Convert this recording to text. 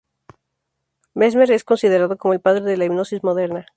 Mesmer es considerado como el padre de la hipnosis moderna.